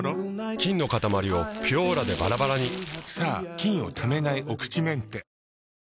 菌のかたまりを「ピュオーラ」でバラバラにさぁ菌をためないお口メンテ。